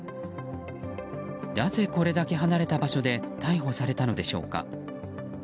なぜこれだけ離れた場所で逮捕されたのでしょうか。